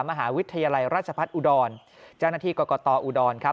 มหาวิทยาลัยราชภัฏอุดรแจ้งหน้าที่กรกตออุดร